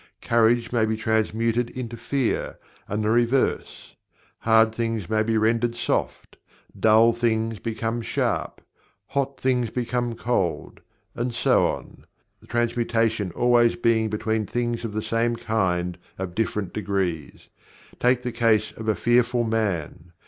Courage may be transmuted into Fear, and the reverse. Hard things may be rendered Soft. Dull things become Sharp. Hot things become Cold. And so on, the transmutation always being between things of the same kind of different degrees. Take the case of a Fearful man.